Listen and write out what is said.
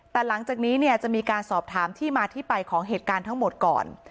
แต่หลังจากนี้เนี่ยจะมีการสอบถามที่มาที่ไปของเหตุการณ์ทั้งหมดก่อน